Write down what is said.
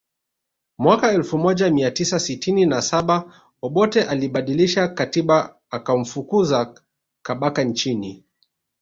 Mwaka elfu moja mia tisa sitini na saba Obote alibadilisha katiba akamfukuza Kabaka nchini